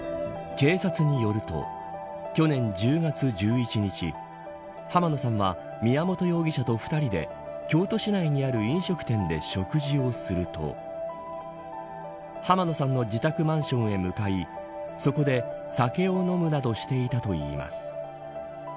警察によると去年１０月１１日濱野さんは宮本容疑者と２人で京都市内にある飲食店で食事をすると濱野さんの自宅マンションへ向かいそこで、酒を飲むなどしていたといいます。